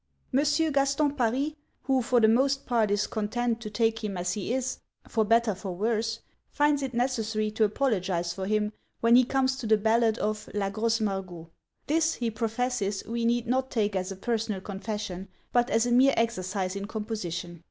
M. Gaston Paris, who for the most part is content to take him as he is, for better for worse, finds it necessary to apologise for him when he comes to the ballad of La Grosse Margot: this, he professes, we need not take as a personal confession, but as a mere exercise in composition!